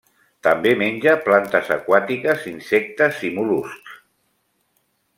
També menja plantes aquàtiques, insectes i mol·luscs.